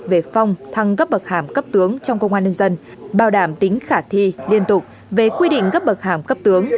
về phong thăng cấp bậc hàm cấp tướng